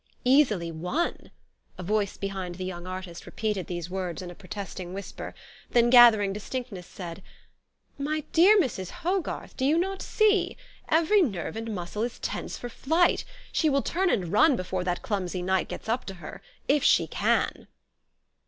" Easily won !" A voice behind the young artist repeated these words in a protesting whisper ; then, gathering distinctness, said, " My dear Mrs. Hogarth, do you not see ? Every nerve and muscle is tense for flight. She will turn and run before that clumsy knight gets up to her if she can."